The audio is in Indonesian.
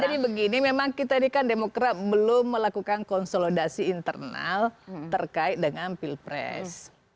jadi begini memang kita ini kan demokrasi belum melakukan konsolidasi internal terkait dengan pilpres